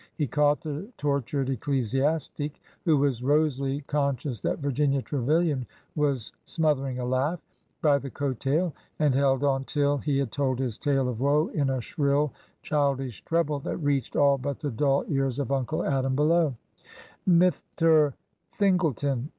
He caught the tortured ecclesiastic (who was rosily con scious that Virginia Trevilian was smothering a laugh) by the coat tail, and held on till he had told his tale of woe in a shrill, childish treble that reached all but the dull ears of Uncle Adam below : Mithter Thingleton